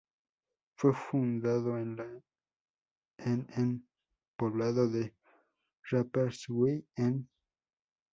Fue fundado en en la poblado de Rapperswil en St.